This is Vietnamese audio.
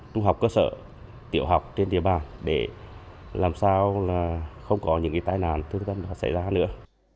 trung học cơ sở tiểu học trên địa bàn để làm sao là không có những tai nạn thương tâm đã xảy ra nữa